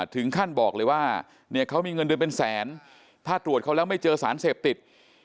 ถึงขั้นบอกเลยว่าเนี่ยเขามีเงินเดือนเป็นแสนถ้าตรวจเขาแล้วไม่เจอสารเสพติด